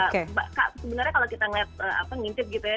sebenarnya kalau kita ngeliat apa ngincip gitu ya